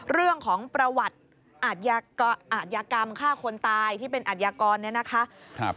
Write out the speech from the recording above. เรื่องของประวัติอาทยากรรมฆ่าคนตายที่เป็นอัธยากรเนี่ยนะคะ